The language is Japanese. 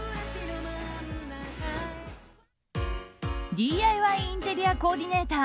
ＤＩＹインテリアコーディネーター